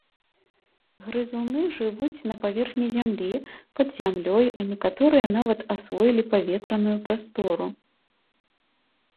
Грызуны жывуць на паверхні зямлі, пад зямлёй, а некаторыя нават асвоілі паветраную прастору.